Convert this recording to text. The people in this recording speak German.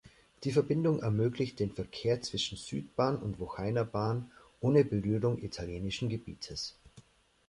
Die Verbindung ermöglicht den Verkehr zwischen Südbahn und Wocheiner Bahn ohne Berührung italienischen Gebietes.